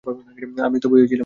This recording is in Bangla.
আমি তো ভয়েই ছিলাম।